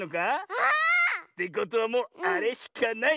あ！ってことはもうあれしかない。